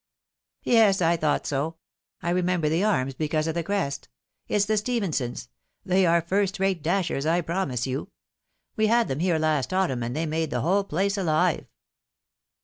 "Yes, I thought so; I remember the arms because of the crest — ^Tfc's the Stephensons — they are first rate dashers, I promise you. We had them here last autumn, and they made the whole place ahve."